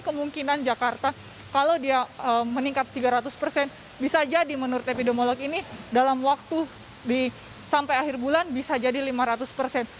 kemungkinan jakarta kalau dia meningkat tiga ratus persen bisa jadi menurut epidemiolog ini dalam waktu sampai akhir bulan bisa jadi lima ratus persen